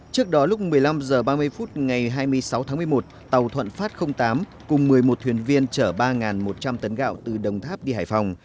trước đó lúc một mươi năm h ba mươi phút ngày hai mươi sáu tháng một mươi một tàu thuận phát tám cùng một mươi một thuyền viên chở ba một trăm linh tấn gạo từ đồng tháp đi hải phòng